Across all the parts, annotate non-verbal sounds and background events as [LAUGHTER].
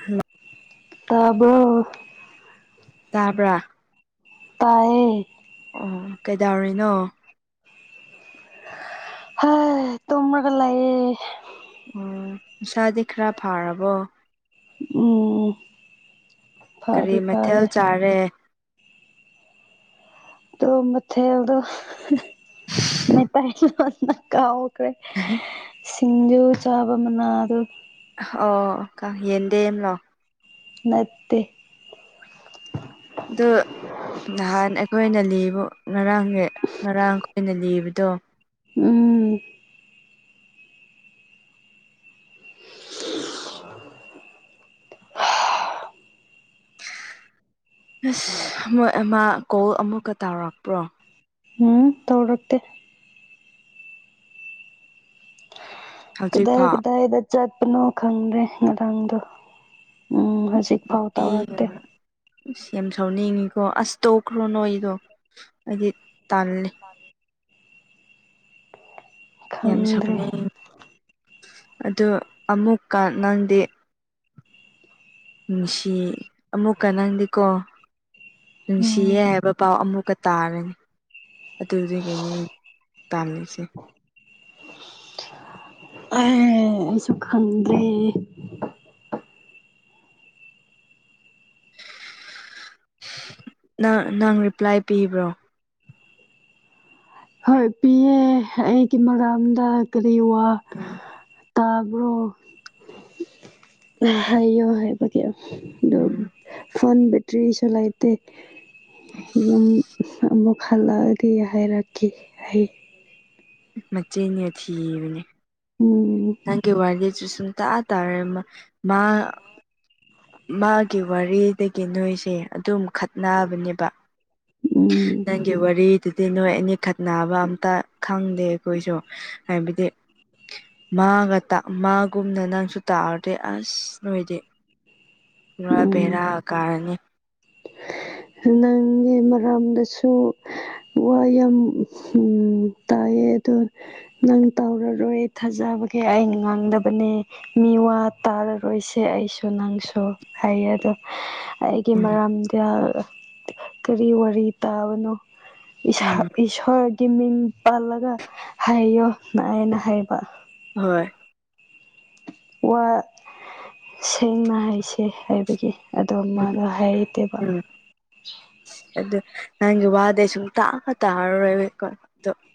ꯍꯝ ꯇꯥꯕꯔꯣ ꯇꯥꯕꯔꯥ ꯇꯥꯏꯌꯦ ꯑꯣ ꯀꯩꯗꯧꯔꯤꯅꯣ ꯍꯦ ꯇꯨꯝꯃꯒ ꯂꯩꯌꯦ ꯑꯦ ꯅꯁꯥꯗꯤ ꯈꯔ ꯐꯔꯕꯣ ꯎꯝ ꯐꯗꯤ ꯐꯔꯦ ꯐꯥꯔꯦ ꯑꯗꯣ ꯃꯊꯦꯜꯗꯣ [UNINTELLIGIBLE] ꯁꯤꯡꯖꯨ ꯆꯥꯕ ꯃꯅꯥ ꯗꯣ ꯑꯣ ꯀ ꯌꯦꯟꯗꯦꯟ ꯂꯣ ꯅꯠꯇꯦ ꯗꯨ ꯅꯍꯥꯟ ꯑꯩꯈꯣꯏꯅ ꯂꯤꯕꯨ ꯉꯔꯥꯡꯒꯤ ꯉꯔꯥꯡ ꯈꯣꯏꯅ ꯂꯤꯕꯗꯣ ꯎꯝ ꯑꯁ ꯃꯣꯏ ꯑꯃ ꯀꯣꯜ ꯑꯃꯨꯛꯀ ꯇꯧꯔꯛꯄ꯭ꯔꯣ? ꯍꯨꯡ ꯇꯧꯔꯛꯇꯦ꯫ ꯀꯗꯥꯏ ꯍꯧꯖꯤꯛꯐꯥꯎ ꯀꯗꯥꯏꯗ ꯆꯠꯄꯅꯣ ꯈꯪꯗꯦ ꯉꯔꯥꯡꯗꯣ, ꯎꯝ ꯍꯧꯖꯤꯛ ꯐꯥꯎ ꯇꯧꯔꯛꯇꯦ [UNINTELLIGIBLE] ꯏꯁ ꯌꯥꯝ ꯁꯥꯎꯅꯤꯡꯉꯤꯀꯣ ꯑꯁ ꯇꯣꯛꯈ꯭ꯔꯣ ꯅꯣꯏꯒꯤꯗꯣ ꯑꯩꯗꯤ ꯇꯜꯂꯦ꯫ ꯃꯥꯖꯦ ꯌꯥꯝ ꯈꯪꯗ꯭ꯔꯦ ꯁꯥꯎꯅꯤꯡ ꯑꯗꯣ ꯑꯃꯨꯛꯀ ꯅꯪꯗꯤ ꯅꯨꯡꯁꯤ ꯑꯃꯨꯛꯀ ꯅꯪꯗꯤꯀꯣ ꯎꯝ ꯅꯨꯡꯁꯤꯌꯦ ꯍꯥꯏꯕ ꯄꯥꯎ ꯑꯃꯨꯛꯀ ꯇꯥꯔꯅꯤ ꯑꯗꯨꯗꯨꯒꯤꯅꯤ ꯇꯜꯂꯤꯁꯦ꯫ ꯑꯣꯏꯌꯦ ꯑꯩꯁꯨ ꯈꯡꯗ꯭ꯔꯦ ꯅꯪ ꯅꯪ ꯔꯤꯄ꯭ꯂꯥꯏ ꯄꯤꯕ꯭ꯔꯣ? ꯍꯣꯏ ꯄꯤꯌꯦ ꯑꯩꯒꯤ ꯃꯔꯝꯗ ꯀꯔꯤ ꯋꯥ ꯇꯥꯕ꯭ꯔꯣ ꯍꯥꯏꯌꯣ ꯍꯥꯏ ꯕꯒꯤ ꯑꯗꯨꯝ ꯐꯣꯟ ꯕꯦꯇ꯭ꯔꯤꯁꯨ ꯂꯩꯇꯦ ꯌꯨꯝ ꯑꯃꯨꯛ ꯍꯜꯂꯛꯑꯗꯤ ꯍꯥꯏꯔꯛꯀꯦ ꯍꯩ ꯃꯆꯤꯟꯌꯦ ꯊꯤꯕꯅꯦ ꯎꯝ ꯅꯪꯒꯤ ꯌꯥꯔꯤꯁꯨ ꯁꯨꯡꯇꯥ ꯇꯥꯔꯝꯃꯣꯏ ꯃꯥ ꯃꯥꯒꯤ ꯋꯥꯔꯤꯗꯒꯤ ꯅꯣꯏꯁꯦ ꯑꯗꯨꯝ ꯈꯠꯅꯕꯅꯦꯕ ꯎꯝ ꯅꯪ ꯒꯤ ꯋꯥꯔꯤꯗꯨꯗꯤ ꯅꯣꯏ ꯑꯅꯤ ꯈꯠꯅꯕ ꯑꯝꯇ ꯈꯪꯗꯦ ꯑꯩꯈꯣꯏꯁꯨ ꯍꯥꯏꯕꯗꯤ ꯃꯥꯒ ꯇꯥ ꯃꯥꯒꯨꯝꯅ ꯅꯪꯁꯨ ꯇꯥꯑꯗꯤ ꯑꯁ ꯅꯣꯏꯗꯤ ꯄꯨꯔꯥ ꯎꯝ ꯕꯦꯔꯥ ꯀꯥꯔꯅꯤ꯫ ꯅꯪꯒꯤ ꯃꯔꯝꯗꯁꯨ ꯋꯥ ꯌꯥꯝ ꯎꯝ ꯇꯥꯏꯌꯦ ꯑꯗꯨ ꯅꯪ ꯇꯧꯔꯔꯣꯏ ꯊꯥꯖꯕꯒꯤ ꯑꯩꯅ ꯉꯥꯡꯗꯕꯅꯦ꯫ ꯃꯤꯋꯥ ꯇꯥꯔꯔꯣꯏꯁꯦ ꯑꯩꯁꯨ ꯅꯪꯁꯨ꯫ ꯍꯥꯏꯌꯦ ꯑꯗꯣ ꯑꯩꯒꯤ ꯎꯝ ꯃꯔꯝꯗ ꯀꯔꯤ ꯋꯥꯔꯤ ꯇꯥꯕꯅꯣ ꯏꯁꯥ ꯎꯝ ꯏꯁꯣꯔ ꯒꯤ ꯃꯤꯡ ꯄꯜꯂꯒ ꯍꯥꯏꯌꯣ ꯅ ꯑꯩꯅ ꯍꯥꯏꯕ꯫ ꯍꯣꯏ ꯋꯥ ꯁꯦꯡꯅ ꯍꯥꯏꯁꯦ ꯍꯥꯏꯕꯒꯤ ꯑꯗꯣ ꯎꯝ ꯃꯥꯅ ꯍꯥꯏꯔꯛꯇꯦꯕ꯫ ꯎꯝ ꯑꯗꯨ ꯅꯪꯒꯤ ꯋꯥꯗꯤ ꯁꯨꯡꯇꯥ ꯇꯥꯔꯔꯣꯏꯕ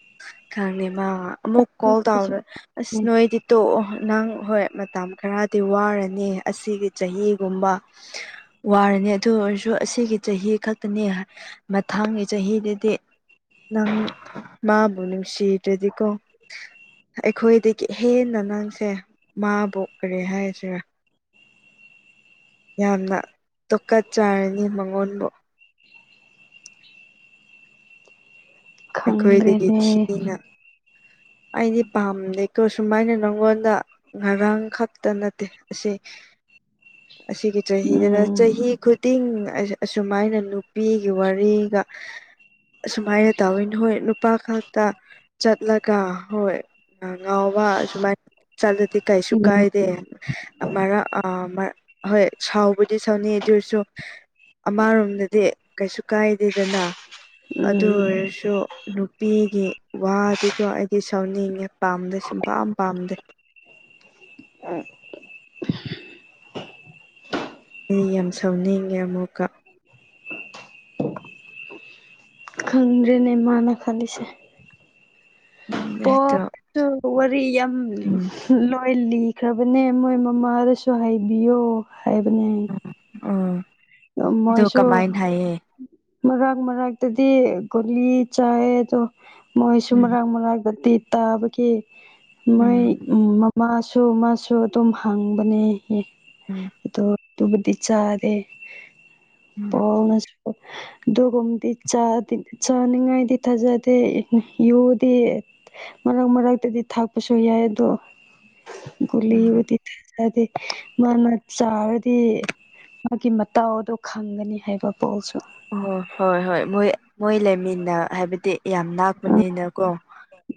[UNINTELLIGIBLE] ꯈꯪꯅꯦ ꯃꯥ ꯑꯃꯨꯛ ꯀꯣꯜ ꯇꯧꯔ ꯑꯁ ꯅꯣꯏꯗꯤ ꯇꯣꯛꯑꯣ ꯅꯪ ꯍꯣꯏ ꯃꯇꯝ ꯈꯔꯗꯤ ꯋꯥꯔꯅꯤ ꯑꯁꯤꯒꯤ ꯆꯍꯤꯒꯨꯝꯕ ꯋꯥꯔꯅꯤ ꯑꯗꯨ ꯑꯣꯏꯔꯁꯨ ꯑꯁꯤꯒꯤ ꯆꯍꯤ ꯈꯛꯇꯅꯤ ꯃꯊꯪꯒꯤ ꯆꯍꯤꯗꯗꯤ ꯅꯪ ꯃꯥꯕꯨ ꯅꯨꯡ ꯁꯤꯗ꯭ꯔꯗꯤꯀꯣ ꯑꯩꯈꯣꯏꯗꯒꯤ ꯍꯦꯟꯅ ꯅꯪꯁꯦ ꯃꯥꯕꯨ ꯀꯔꯤ ꯍꯥꯏꯔꯁꯤꯔ ꯌꯥꯝꯅ ꯇꯨꯀꯠ ꯆꯔꯅꯤ ꯃꯉꯣꯟꯕꯨ꯫ ꯑꯩꯈꯣꯏꯗꯒꯤ ꯈꯪꯗ꯭ꯔꯦꯅꯦ ꯊꯤꯅ ꯑꯩꯗꯤ ꯄꯥꯝꯗꯦꯀꯣ ꯁꯨꯃꯥꯏꯅ ꯅꯪꯉꯣꯟꯗ ꯉꯥꯔꯥꯡ ꯈꯛꯇ ꯅꯠꯇꯦ ꯑꯁꯤ ꯑꯁꯤꯒꯤ ꯆꯍꯤꯗꯅ ꯎꯝ ꯆꯍꯤ ꯈꯨꯠ ꯇꯤꯡ ꯑꯁꯨ ꯑꯁꯨꯃꯥꯏꯅ ꯅꯨꯄꯤꯒꯤ ꯋꯥꯔꯤꯒ ꯑꯁꯨꯃꯥꯏꯅ ꯇꯥꯋꯤꯟ ꯍꯣꯏ ꯅꯨꯄꯥ ꯈꯛꯇ ꯆꯠꯂꯒ ꯍꯣꯏ ꯑ ꯉꯥꯎꯕ ꯁꯨꯃꯥꯏꯅ ꯆꯠꯂꯗꯤ ꯀꯩꯁꯨꯨ ꯎꯝ ꯀꯥꯏꯗꯦ꯫ ꯑꯃꯔ ꯑ ꯃꯔ ꯍꯣꯏ ꯁꯥꯎꯕꯨꯗꯤ ꯁꯥꯎꯅꯤ ꯑꯗꯨ ꯑꯣꯏꯔꯁꯨ ꯑꯃꯔꯣꯝꯗꯗꯤ ꯀꯩꯁꯨ ꯀꯥꯏꯗꯦꯗꯅ꯫ ꯑꯗꯨ ꯎꯝ ꯑꯣꯏꯔꯁꯨ ꯅꯨꯄꯤꯒꯤ ꯋꯥꯗꯤꯀꯣ ꯑꯩꯗꯤ ꯁꯥꯎꯅꯤꯡꯉꯦ꯫ ꯄꯥꯝꯗꯦ ꯁꯨꯡ ꯄꯥꯝ ꯄꯥꯝꯗꯦ꯫ [UNINTELLIGIBLE] ꯗꯤ ꯌꯥꯝ ꯁꯥꯎꯅꯤꯡꯉꯦ ꯑꯃꯨꯛꯀ꯫ ꯈꯪꯗ꯭ꯔꯦꯅꯦ ꯃꯥꯅ ꯈꯜꯂꯤꯁꯦ꯫ ꯎꯝ ꯑꯩꯗꯣ ꯄꫭꯠꯇꯨ ꯋꯥꯔꯤ ꯌꯥꯝ ꯎꯝ [UNINTELLIGIBLE] ꯂꯣꯏ ꯂꯤꯈ꯭ꯔꯕꯅꯦ ꯃꯣꯏ ꯃꯃꯥꯗꯁꯨ ꯍꯥꯏꯕꯤꯌꯣ꯫ ꯍꯥꯏꯕꯅꯦ ꯑꯣ ꯅꫭ ꯑꯗꯨ ꯃꯣꯏꯁꯨ ꯀꯃꯥꯏꯅ ꯍꯥꯏꯌꯦ ꯃꯔꯛ ꯃꯔꯛꯇꯗꯤ ꯒꯨꯣꯂꯤ ꯆꯥꯑꯦ ꯑꯗꯣ ꯃꯣꯏꯁꯨ ꯎꯝ ꯃꯔꯥꯛ-ꯃꯔꯥꯛ ꯂꫭꯇꯤ ꯇꯥꯕꯒꯤ ꯃꯣꯏ ꯎꯝ ꯃꯃꯥꯁꯨ ꯃꯥꯁꯨ ꯑꯗꯨꯝ ꯍꯥꯡꯕꯅꯦ ꯑꯦ ꯎꯝ ꯑꯗꯣ ꯗꯨꯕꯨꯗꯤ ꯆꯥꯗ ꯎꯝ ꯄꯑꯦꯅꯁ [INAUDIBLE] ꯑꯗꯨꯒꯨꯝꯕꯗꯤ ꯆꯥꯗꯤ ꯆꯥꯅꯤꯡꯉꯥꯏꯗꯤ ꯊꯥꯖꯗꯦ [UNINTELLIGIBLE] ꯌꯨꯗꯤ ꯃꯔꯛ ꯃꯔꯔꯛꯇꯗꯤ ꯊꯥꯛꯄꯁꯨ ꯌꯥꯏꯗꫭ ꯎꯝ ꯒꯨꯜꯂꯤꯕꯨꯗꯤ ꯑꯗꯤ ꯃꯥꯅ ꯆꯥꯔꯗꯤ ꯃꯥꯒꯤ ꯃꯇꯥꯎꯗꯣ ꯈꯪꯒꯅꯤ ꯍꯥꯏꯕ ꯀꫭꯜꯁꯨ꯫ ꯑꯣꯍꫭ ꯍꯣꯏ ꯍꯣꯏ ꯃꯣꯏ ꯃꯣꯏ ꯂꯩꯃꯤꯟꯅ ꯍꯥꯏꯕꯗꯤ ꯌꯥꯝ ꯎꯝ ꯅꯥꯛꯄꯅꯤꯅꯀꯣ꯫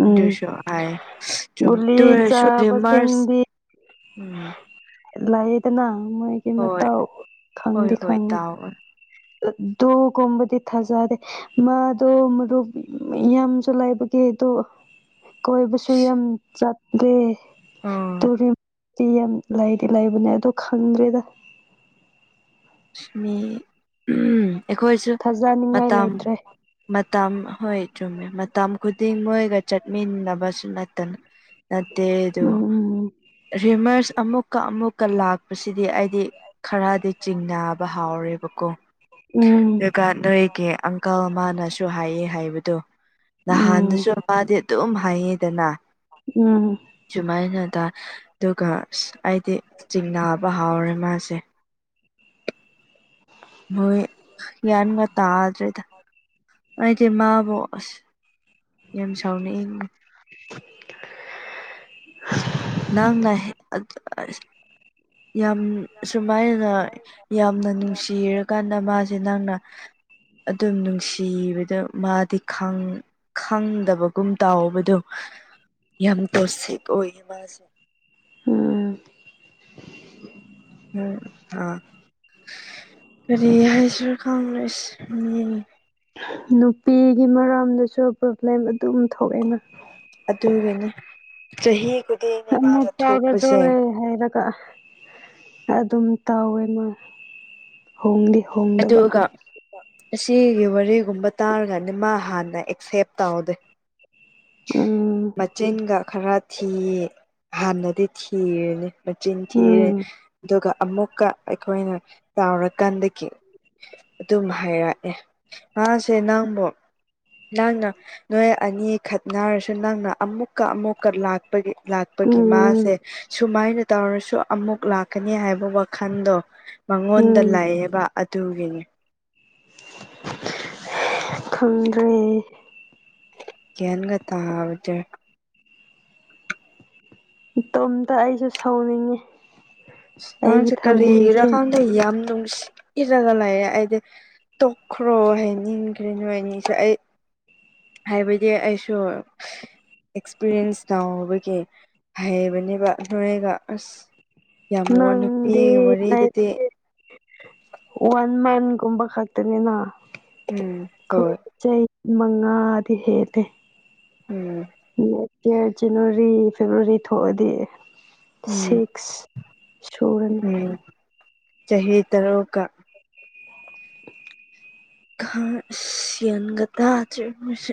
ꯎꯝ ꯗꯨꯁꯨ ꯍꯥꯏ [UNINTELLIGIBLE] ꯆꯨꯝ ꯒꯨꯂꯤ ꯗꯨ ꯑꫭꯏꯔꯁꯨ ꯔꯨꯃꯔꯁ ꯆꯥꯕꯁꯤꯡꯗꯤ ꯎꯝ꯫ ꯂꯩꯌꯦꯗꯅ ꯃꯣꯏꯒꯤ ꯍꯣꯏ ꯃꯇꯥꯎ ꯍꯣꯏ ꯈꯪꯗꯤ ꯍꯣꯏ ꯈꯪꯉꯦ꯫ ꯇꯥꯎ ꯑꯗꯨꯒꯨꯝꯕꯗꯤ ꯊꯖꯥꯗꯦ ꯃꯥꯗꯣ ꯃꯔꯨꯞ ꯃ ꯌꯥꯝꯁꯨ ꯂꯥꯏꯕꯒꯤ ꯑꯗꯣ ꯀꯣꯏꯕꯁꯨ ꯌꯥꯝ ꯆꯠꯗꯦ꯫ ꯑꯥ ꯇꫭꯔꯦꯝ ꯗꯤ ꯌꯥꯝ ꯂꯩꯗꯤ ꯂꯩꯕꯅꯦ ꯑꯗꯣ ꯈꯪꯗ꯭ꯔꯦꯗ꯫ ꯑꯁ ꯃꯤ [UNINTELLIGIBLE] ꯑꯩꯈꯣꯏꯁꯨ ꯊꯥꯖꯅꯤꯡꯉꯥꯏ ꯃꯇꯝ ꯂꯩꯇ꯭ꯔꯦ ꯃꯇꯝ ꯍꯣꯏ ꯆꯨꯝꯃꯦ ꯃꯇꯝ ꯈꯨꯗꯤꯡ ꯃꯣꯏꯒ ꯆꯠꯃꯤꯟꯅꯕꯁꯨ ꯅꯠꯇꯅ꯫ ꯅꯠꯇꯦ ꯑꯗꯨ ꯎꯝ ꯔꯤꯃꯔꯁ ꯑꯃꯨꯛꯀ-ꯑꯃꯨꯛꯀ ꯂꯥꯛꯄꯁꯤꯗꯤ ꯑꯩꯗꯤ ꯈꯔ ꯆꯤꯡꯅꯥꯕ ꯍꯥꯎꯔꯦꯕꯀꯣ꯫ [UNINTELLIGIBLE] ꯎꯝ ꯗꯨꯒꯥ ꯅꯣꯏꯒꯤ ꯑꯪꯀꯜ ꯑꯃꯥꯅꯁꯨ ꯍꯥꯏꯌꯦ ꯍꯥꯏꯕꯗꯨ꯫ ꯎꯝ ꯅꯍꯥꯟꯗꯁꯨ ꯃꯥꯗꯤ ꯑꯗꯨꯝ ꯍꯥꯏꯌꯦꯗꯅ꯫ ꯎꯝ ꯁꯨꯃꯥꯏꯅ ꯇ ꯑꯗꯨꯒ ꯑꯁ ꯑꯩꯗꯤ ꯆꯤꯡꯅꯥꯕ ꯍꯥꯎꯔꯦ ꯃꯥꯁꯦ꯫ ꯍꯣꯏ ꯒ꯭ꯌꯥꯟꯒ ꯇꯥꯗ꯭ꯔꯦꯗ꯫ ꯑꯩꯗꯤ ꯃꯥꯕꯨ ꯑꯁ ꯌꯥꯝ ꯁꯥꯎꯅꯤꯡꯉꯦꯅꯦ꯫ ꯅꯪꯅ ꯍꯦ ꯑꯗꯨ ꯑꯁ ꯌꯥꯝ ꯑꯁꯨꯃꯥꯏꯅ ꯌꯥꯝꯅ ꯅꯨꯡꯁꯤꯔ__ ꯀꯥꯟꯅ ꯃꯥꯁꯦ ꯅꯪꯅ ꯑꯗꯨꯝ ꯅꯨꯡꯁꯤꯕꯗ ꯃꯥꯗꯤ ꯈꯪ ꯈꯪꯗꯕꯒꯨꯝ__ ꯇꯥꯎꯕꯗꯣ ꯌꯥꯝ ꯇꯣꯁꯤꯞ ꯑꯣꯏꯌꯦ ꯃꯥꯁꯦ ꯎꯝ ꯎꯝ ꯑꯥ ꯀꯔꯤ ꯍꯥꯏꯁꯤꯔ ꯈꯪꯗ꯭ꯔꯦꯁ ꯃꯤ__ ꯅꯨꯄꯤꯒꯤ ꯃꯔꯝꯗꯁꯨ ꯄ꯭ꯔꯣꯕ꯭ꯂꯦꯝ ꯑꯗꯨꯝ ꯊꯣꯛꯑꯦꯅ ꯑꯗꯨꯒꯤꯅꯤ ꯆꯍꯤꯒꯨꯝ__ ꯑꯃꯨꯛ ꯆꯥꯕ ꯊꯣꯛꯑꯦ ꯍꯥꯏꯔꯒ ꯑꯗꯨꯝ ꯇꯧꯋꯦ ꯃꯥ ꯍꯣꯡꯗꯤ ꯍꯣꯡ ꯑꯗꯨꯒ ꯑꯁꯤꯒꯤ ꯋꯥꯔꯤꯒꯨꯝꯕ ꯇꯥꯔꯒꯅꯤ ꯃꯥ ꯍꯥꯟꯅ ꯑꯦꯛꯁꯦꯞ ꯇꯧꯗꯦ ꯎꯝ ꯃꯆꯤꯟꯒ ꯈꯔ ꯊꯤ ꯍꯥꯟꯅꯗꯤ ꯊꯤꯔꯅꯤ ꯃꯆꯤꯟ ꯊꯤꯔꯦ ꯎꯝ ꯑꯗꯨꯒ ꯑꯃꯨꯛꯀ ꯑꯩꯈꯣꯏꯅ ꯆꯥꯎꯔꯀꯥꯟꯗꯒꯤ ꯑꯗꯨꯝ ꯍꯥꯏꯔꯛꯑꯦ ꯃꯥꯁꯦ ꯅꯪꯕꯨ ꯅꯪꯅ ꯅꯣꯏ ꯑꯅꯤ ꯈꯠꯅꯔꯁꯨ ꯅꯪꯅ ꯑꯃꯨꯛꯀ ꯑꯃꯨꯛꯀ ꯂꯥꯛꯄꯒꯤ ꯂꯥꯛ__ ꯄꯒꯤ ꯎꯝ ꯃꯥꯁꯦ ꯁꯨꯃꯥꯏꯅ ꯇꯧꯔꯁꯨ ꯑꯃꯨꯛ ꯂꯥꯛꯀꯅꯤ ꯍꯥꯏꯕ ꯋꯥꯈꯟꯗꯣ ꯃꯉꯣꯟꯗ ꯎꯝ ꯂꯩꯌꯦꯕ ꯑꯗꯨꯒꯤꯅꯤ ꯈꯪꯗ꯭ꯔꯦ ꯒ꯭ꯌꯥꯟꯒ ꯇꯥꯔꯨꯗꯦ ꯏꯇꯣꯝꯇ ꯑꯩꯖꯨ ꯁꯥꯎꯅꯤꯡꯉꯤ ꯅꯪꯁꯦ ꯀꯔꯤꯒꯤꯔꯥ ꯈꯪꯗꯦ ꯌꯥꯝ ꯅꯨꯡꯁꯤꯔꯒ ꯂꯩꯥꯔꯦ ꯑꯩꯗꯤ ꯇꯣꯛꯈ꯭ꯔꯣ ꯍꯥꯏꯅꯤꯡꯒ꯭ꯔꯦ ꯅꯣꯏ ꯑꯅꯤꯁꯦ ꯑꯩ ꯍꯥꯏꯕꯗꯤ ꯑꯩꯁꯨ ꯑꯦꯛꯁꯄꯤꯔꯤꯌꯦꯟꯁ ꯥꯎꯕꯒꯤ ꯍꯩꯕꯅꯦꯕ ꯅꯣꯏꯒ ꯑꯁ ꯌꯥꯝ ꯋꯥ ꯅꯨꯄꯤ ꯅꯪꯗꯤ ꯋꯥꯔꯤꯗꯨꯗꯤ ꯍꯥꯏꯕꯗꯤ ꯋꯥꯟ ꯃꯟꯒꯨꯝꯕ ꯈꯛꯇꯅꯤꯅ ꯎꯝ ꯈꯛ ꯍꯣꯏ ꯆꯩ ꯃꯉꯥꯗꯤ ꯍꯦꯜꯂꯦ ꯎꯝ ꯅꯦꯛꯀꯦꯌꯥꯔ ꯖꯅꯋꯥꯔꯤ ꯐꯦꯕ꯭ꯔꯨꯋꯥꯔꯤ ꯊꯣꯛꯑꯗꯤ ꯎꯝ ꯁꯤꯛꯁ ꯁꯨꯔꯅꯤ ꯎꯝ ꯆꯍꯤ ꯇꯔꯣ ꯀ [INAUDIBLE] ꯈꯥꯡ ꯑꯁ ꯒ꯭ꯌꯥꯟꯒ ꯇꯥꯗ꯭ꯔꯦ ꯃꯁꯤ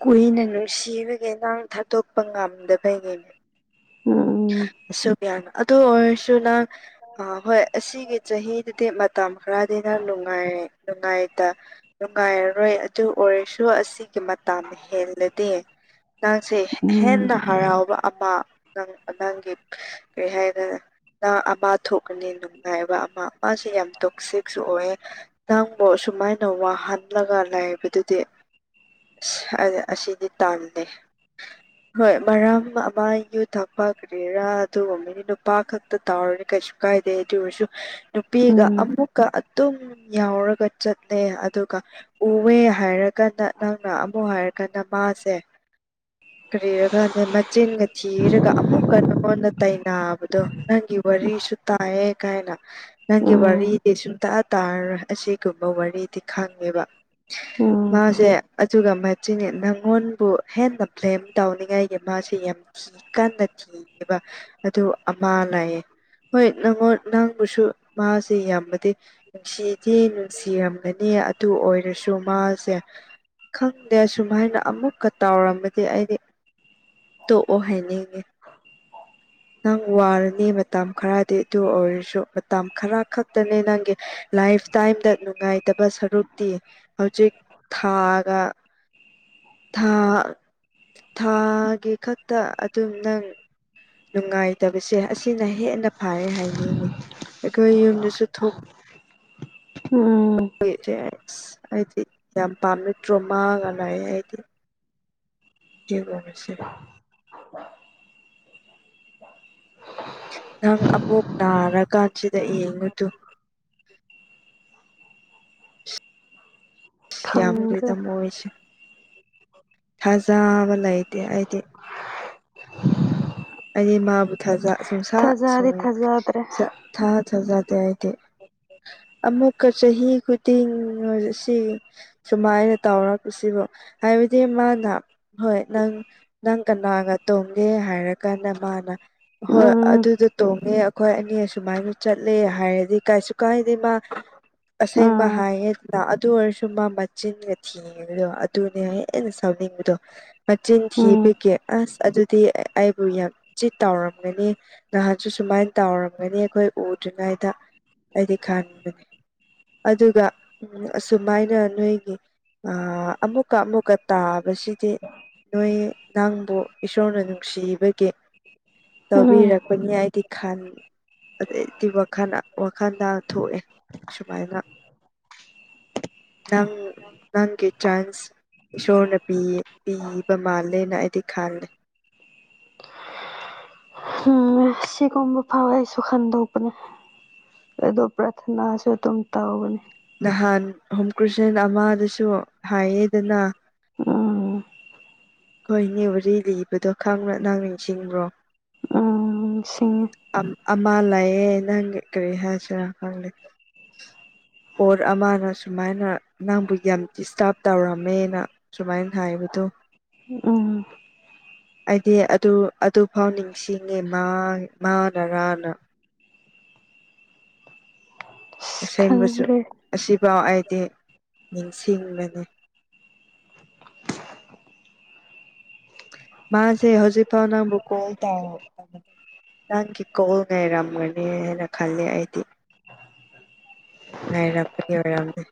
ꯀꯨꯏꯅ ꯅꯨꯡꯁꯤꯕꯒꯤ ꯅꯪ ꯊꯥꯗꯣꯛꯄ ꯉꯝꯗꯕꯩꯅꯤꯅꯦ ꯎꯝ ꯑꯁꯨꯕꯤꯌꯥꯅ ꯑꯗꯨ ꯑꯣꯏꯔꯁꯨ ꯅꯪ ꯑ ꯍꯣꯏ ꯑꯁꯤꯒꯤ ꯆꯍꯤꯗꯨꯗꯤ ꯃꯇꯝ ꯈꯔꯗꯤꯅ ꯅꯨꯡꯉꯥꯏꯔꯦ ꯅꯨꯡꯉꯥꯏꯇ ꯅꯨꯡꯉꯥꯏꯔꯔꯣꯏ ꯑꯗꯨ ꯑꯣꯏꯔꯁꯨ ꯑꯁꯤꯒꯤ ꯃꯠ__ ꯇꯝ ꯍꯦꯜꯂꯗꯤ ꯅꯪꯁꯦ ꯍꯦ ꯎꯝ ꯍꯦꯟꯅ ꯍꯔꯥꯎꯕ ꯑꯃ ꯅꯪ ꯑꯅꯡꯒꯤ ꯀꯔꯤ ꯍꯥꯏꯒꯗ__ ꯅꯪ ꯑꯃ ꯊꯣꯛꯀꯅꯤ ꯅꯨꯡꯉꯥꯏꯕ ꯑꯃ ꯃꯥꯁꯤ ꯌꯥꯝ ꯇꯣꯛꯁꯤꯛꯁꯨ ꯑꯣꯏꯌꯦ ꯅꯪꯕꯨ ꯑꯁꯨꯃꯥꯏꯅ ꯋꯥꯍꯟꯂꯒ ꯂꯩꯥꯕꯗꯨꯗꯤ ꯑꯁ ꯑ ꯑꯁꯤꯗꯤ ꯇꯟꯂꯦ ꯍꯣꯏ ꯃꯔꯝ ꯑꯃ ꯌꯨꯠ__ ꯊꯛꯄꯥ ꯀꯔ꯭ꯤꯔꯥ ꯑꯗꯨꯒꯨꯝꯕꯅꯤ ꯅꯨꯄꯥ ꯈꯛꯇ ꯇꯧꯔꯗꯤ ꯀꯩꯁꯨ ꯀꯥꯏꯗꯦ ꯑꯗꯨ ꯑꯣꯏꯁꯨ ꯅꯨꯄꯤꯒ ꯎꯝ ꯑꯃꯨꯛꯀ ꯑꯗꯨꯝ ꯌꯥꯎꯔꯒ ꯆꯠꯂꯦ ꯑꯗꯨꯒ ꯎꯋꯦ ꯍꯥꯏꯔꯒꯗ ꯅꯪꯅ ꯑꯃꯨꯛ ꯍꯥꯏꯔꯒꯅ ꯃꯥꯁꯦ ꯀꯔꯤꯔ ꯈꯪꯗꯦ ꯃꯆꯤꯟꯒ ꯊꯤꯔ ꯑꯃꯨꯛꯀ ꯅꯉꯣꯟꯗ ꯇꯥꯏꯅꯕꯗꯣ ꯅꯪꯒꯤ ꯋꯥꯔꯤꯁꯨ ꯇꯥꯏꯌꯦ ꯒꯥꯏꯅ ꯅꯪꯒꯤ ꯎꯝ ꯋꯥꯔꯤꯗꯤ ꯁꯨꯡꯇꯥ ꯇꯥꯔꯔꯣꯏ ꯑꯁꯤꯒꯨꯝꯕ ꯋꯥꯔꯤꯗꯤ ꯈꯪꯉꯦꯕ ꯎꯝ ꯃꯥꯁꯦ ꯑꯗꯨꯒ ꯃꯥ ꯆꯤꯟ ꯅꯪꯉꯣꯟꯕꯨ ꯍꯦꯟꯅ ꯕꯂꯦꯝ ꯇꯧꯅꯤꯡꯉꯥꯏꯒꯤ ꯃꯥꯁꯤ ꯌꯥꯝ ꯁꯤ ꯀꯟꯅ ꯀꯤꯌꯦꯕ ꯑꯗꯨ ꯑꯃ ꯂꯥꯛꯌꯦ ꯍꯣꯏ ꯅꯪꯉꯣꯟ ꯅꯪꯕꯨꯁꯨ ꯃꯁꯦ ꯌꯥꯝꯅꯗꯤ ꯅꯨꯡꯁꯤꯗꯤ ꯅꯨꯡꯁꯤꯔꯝꯒꯅꯤ ꯑꯗꯨ ꯑꯣꯏꯔꯁꯨ ꯃꯥꯁꯦ ꯈꯪꯗꯦ ꯑꯁꯨꯝꯃꯥꯏꯅ ꯑꯃꯨꯛꯀ ꯇꯥꯎꯔꯝꯃꯗꯤ ꯑꯩꯗꯤ ꯇꯣꯛꯑꯣ ꯍꯥꯏꯅꯤ ꯅꯪ ꯋꯥꯔꯅꯤ ꯅꯤ ꯃꯇꯝ ꯈꯔꯗꯤ ꯑꯗꯨ ꯑꯣꯏꯔꯁꯨ ꯃꯇꯝ ꯈꯔ ꯈꯛꯇꯅꯦ ꯅꯪꯒꯤ ꯂꯥꯏꯞ ꯇꯥꯏꯝꯗ ꯅꯨꯡꯉꯥꯏꯇꯕ ꯁꯔꯨꯛꯇꯤ ꯍꯧꯖꯤꯛ ꯊꯥꯒ ꯊꯥ ꯊꯥꯒꯤ ꯈꯛꯇ ꯑꯗꯨꯝ ꯅꯪ ꯅꯨꯡꯉꯥꯏꯇꯕꯁꯦ ꯑꯁꯤꯅ ꯍꯦꯟꯅ ꯐꯔꯦ ꯍꯥꯏꯅꯤꯡꯉꯤ ꯑꯩꯈꯣꯏ ꯌꯨꯝꯗꯁꯨ ꯊꯣꯛ ꯎꯝ ꯀꯨꯢꯗꯔꯦ ꯑꯁ ꯑꯩꯗꯤ ꯌꯥꯝ ꯄꯥꯝꯃꯦ ꯇ꯭ꯔꯣꯃꯥꯒ ꯂꯛꯑꯦ ꯑꯩꯗꯤ ꯆꯦꯜꯂꯨꯔꯁꯦ ꯅꯪ ꯑꯃꯨꯛ ꯅꯥꯔꯥꯀꯥꯟꯁꯤꯗ ꯌꯦꯡꯉꯨꯇꯨ ꯌꯥꯝꯅꯗꯤ ꯈꯪꯗ꯭ꯔꯦ ꯇꯝꯃꯣꯏꯁꯤ ꯊꯖꯕ ꯂꯩꯇꯦ ꯑꯩꯗꯤ ꯑꯩꯗꯤ ꯃꯥꯕꯨ ꯊꯥꯖ ꯁꯨꯡꯁꯥ ꯊꯥꯖꯗꯤ ꯁꯨꯡ ꯊꯥꯖꯗ꯭ꯔꯦ ꯁꯥ ꯊꯥ ꯊꯥꯖꯗꯦ ꯑꯩꯗꯤ ꯑꯃꯨꯛꯀ ꯆꯍꯤ ꯈꯨꯗꯤꯡ [UNINTELLIGIBLE] ꯅꯔꯁꯦ ꯁꯨꯃꯥꯏꯅ ꯇꯧꯔꯛꯄꯁꯤꯕꯨ ꯍꯥꯏꯕꯗꯤ ꯃꯥꯅ ꯍꯣꯏ ꯅꯪ ꯅꯪ ꯀꯅꯥꯒ ꯇꯣꯡꯒꯦ ꯍꯥꯏꯔ ꯀꯥꯟꯗ ꯃꯥꯅ ꯍꯣꯏ ꯎꯝ ꯑꯗꯨꯗꯣ ꯇꯣꯡꯉꯦ ꯑꯩꯈꯣꯏ ꯑꯅꯤ ꯑꯁꯨꯃꯥꯏꯅ ꯆꯠꯂꯦ ꯍꯥꯏꯔꯗꯤ ꯀꯩꯁꯨ ꯀꯥꯏꯗꯦ ꯃꯥ ꯑꯁꯦꯡꯕ ꯎꯝ ꯍꯥꯏꯌꯦꯗ ꯑꯗꯨ ꯑꯣꯏꯔꯁꯨ ꯃꯥ ꯃꯆꯤꯟꯒ ꯊꯤ ꯑꯗꯨꯅꯦ ꯍꯦꯟꯅ ꯁꯥꯎꯅꯤꯡꯕꯗꯣ ꯃꯆꯤꯟ ꯊꯤꯕꯒꯤ ꯑꯁ ꯑꯗꯨꯗꯤ ꯑꯩ ꯕꯨ ꯌꯥꯝ ꯆꯤꯠ ꯇꯧꯔꯝꯒꯅꯤ ꯅꯍꯥꯟꯁꯨ ꯁꯨꯃꯥꯏ ꯇꯧꯔꯝꯒꯅꯤ ꯑꯩꯈꯣꯏ ꯎꯗ꯭ꯔꯤꯉꯩꯗ ꯑꯩꯗꯤ ꯈꯟꯕꯅꯦ ꯑꯗꯨꯒ ꯎꯝ ꯑꯁꯨꯃꯥꯏꯅ ꯅꯣꯏꯒꯤ ꯑꯥ ꯑꯃꯨꯛꯀ ꯑꯃꯨꯛꯀ ꯇꯥꯕꯁꯤꯗꯤ ꯅꯣꯏ ꯅꯪꯕꯨ ꯏꯁꯣꯔꯅ ꯅꯨꯡꯁꯤꯕꯒꯤ ꯎꯝ ꯇꯧꯕꯤꯔꯛꯄꯅꯤ ꯗꯤ ꯈꯟ ꯑꯗꯩꯗꯤ ꯋꯥꯈꯟ ꯋꯥꯈꯟꯗ ꯊꯣꯛꯑꯦ ꯁꯨꯃꯥꯏꯅ ꯅꯪ ꯅꯪꯒꯤ ꯆꯥꯟꯁ ꯏꯁꯣꯔꯅ ꯄꯤꯌꯦ ꯄꯤꯕ ꯃꯥꯜꯂꯦꯅ ꯑꯩꯗꯤ ꯈꯜꯂꯦ ꯎꯝ ꯁꯤꯒꯨꯝꯕ ꯐꯥꯎ ꯑꯩꯁꯨ ꯈꯟꯗꯣꯛꯄꯅꯦ ꯑꯗꯣ ꯄ꯭ꯔꯊꯅꯥꯁꯨ ꯑꯗꯨꯝ ꯇꯧꯒꯅꯤ ꯅꯍꯥꯟ ꯍꯣꯝ ꯀ꯭ꯔꯨꯁꯟ ꯑꯃꯥꯗꯁꯨ ꯍꯥꯏꯌꯦꯗꯅ ꯎꯝ ꯈꯣꯏꯅꯤ ꯋꯥꯔꯤ ꯂꯤꯕꯗꯣ ꯈꯪꯕꯔꯥ ꯅꯪ ꯅꯤꯡꯁꯤꯡꯕ꯭ꯔꯣ ꯅꯤꯡꯁꯤꯡꯉꯤ ꯑꯝ ꯑꯃ ꯂꯩꯌꯦ ꯅꯪꯒ ꯀꯔꯤ ꯍꯥꯏꯁꯤꯔꯥ ꯈꯪꯗꯦ꯫ ꯄꯣꯠ ꯑꯃꯅ ꯁꯨꯃꯥꯏꯅ ꯅꯪꯕꯨ ꯌꯥꯝ ꯗꯤꯁꯇꯥꯔꯕ ꯇꯧꯔꯝꯃꯦꯅ꯫ ꯁꯨꯃꯥꯏꯅ ꯊꯥꯏꯕꯗꯣ꯫ ꯍꯨꯝ ꯎꯝ꯫ ꯑꯩꯗꯤ ꯑꯗꯨ ꯑꯗꯨꯐꯥꯎ ꯅꯤꯡꯁꯤꯡꯉꯦ ꯃꯥ ꯃꯥꯅꯔꯥꯅ꯫ ꯑꯁ ꯑꯁꯦꯡꯕꯁꯨ ꯈꯪꯗ꯭ꯔꯦ ꯑꯁꯤꯐꯥꯎ ꯑꯩꯗꯤ ꯅꯤꯡꯁꯤꯡꯕꯅꯦ꯫ ꯃꯥꯁꯦ ꯍꯧꯖꯤꯛꯐꯥꯎ ꯅꯪꯕꯨ ꯀꯣꯜ ꯇꯎꯇꯕꯅꯦ꯫ ꯅꯪꯒꯤ ꯀꯣꯜ ꯉꯥꯏꯔꯝꯒꯅꯤ ꯍꯥꯏꯅ ꯈꯂꯦ ꯑꯩꯗꯤ꯫ ꯉꯩꯔꯝꯗꯕꯤ ꯑꯣꯢꯔꯝꯅꯤ꯫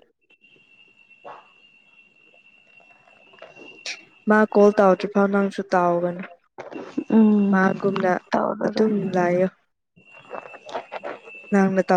ꯃꯥ ꯀꯣꯜ ꯇꯥꯎꯗ꯭ꯔꯤꯐꯥꯎ ꯅꯪꯁꯨ ꯇꯥꯎꯒꯅꯨ꯫ ꯎꯝ ꯃꯥꯒꯨꯝꯅ ꯇꯧꯔꯔꯣꯏ ꯑꯗꯨꯝ ꯂꯥꯏꯌꯨ꯫ ꯅꯪꯅ ꯇꯧ